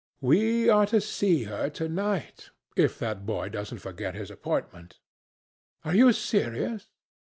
We are to see her to night, if that boy doesn't forget his appointment." "Are you serious?"